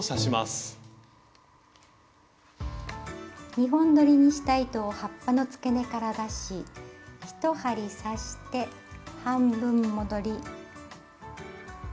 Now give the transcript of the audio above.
２本どりにした糸を葉っぱのつけ根から出し１針刺して半分戻り。